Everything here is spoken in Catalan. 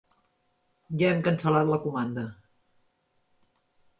Ja hem cancel·lat la comanda.